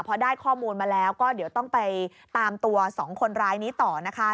พอได้ข้อมูลมาแล้วก็เดี๋ยวต้องไปตามตัว๒คนร้ายนี้ต่อนะคะ